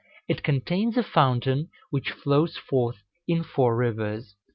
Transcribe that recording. It contains a fountain which flows forth in four rivers."